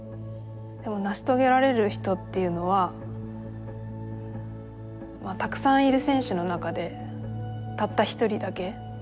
でも成し遂げられる人っていうのはたくさんいる選手の中でたった一人だけ。